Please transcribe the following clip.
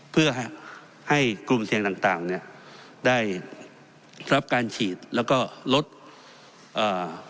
เพื่อให้กลุ่มเสี่ยงต่างต่างเนี้ยได้รับการฉีดแล้วก็ลดอ่า